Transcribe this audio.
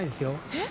えっ？